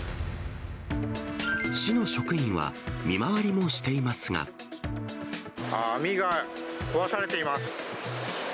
市の職員は、網が壊されています。